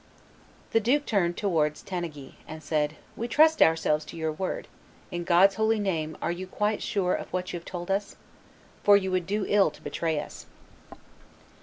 The duke turned towards Tanneguy, and said, "We trust ourselves to your word; in God's holy name, are you quite sure of what you have told us? For you would do ill to betray us."